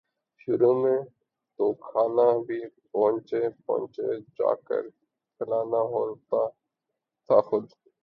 شروع میں تو کھانا بھی پیچھے پیچھے جا کر کھلانا ہوتا تھا خود